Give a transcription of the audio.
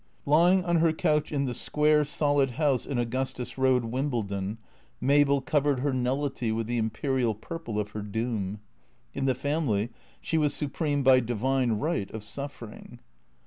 Lying on her couch in the square, solid house in Augustus Road, Wimbledon, Mabel covered her nullity with the imperial purple of her doom. In the family she was supreme by divine right of suffering.